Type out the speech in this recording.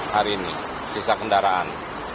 hari ini sisa kendaraan